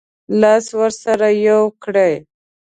لاس ورسره یو کړي.